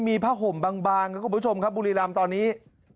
มีผ้าห่มบางครับคุณผู้ชมครับบุรีรำตอนนี้